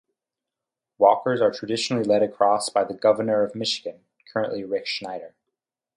Walkers are traditionally led across by the governor of Michigan, currently Rick Snyder.